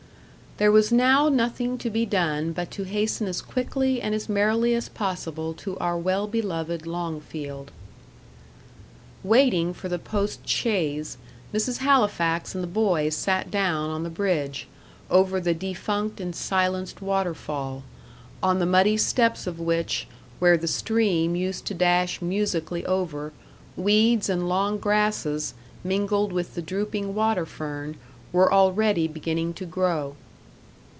There was now nothing to be done but to hasten as quickly and as merrily as possible to our well beloved Longfield. Waiting for the post chaise, Mrs. Halifax and the boys sat down on the bridge over the defunct and silenced water fall, on the muddy steps of which, where the stream used to dash musically over, weeds and long grasses, mingled with the drooping water fern, were already beginning to grow.